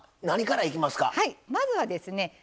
はいまずはですね